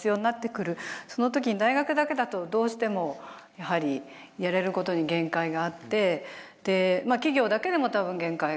その時に大学だけだとどうしてもやはりやれることに限界があってで企業だけでも多分限界があって。